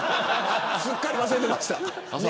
すっかり忘れてました。